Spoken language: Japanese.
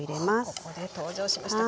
ここで登場しましたきゅうり。